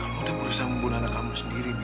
kamu udah berusaha membunuh anak kamu sendiri milla